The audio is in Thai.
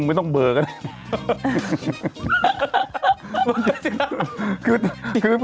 มันไม่ต้องเบลก็ได้